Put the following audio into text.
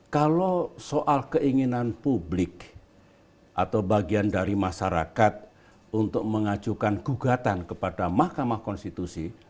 kalau soal keinginan publik atau bagian dari masyarakat untuk mengajukan gugatan kepada mahkamah konstitusi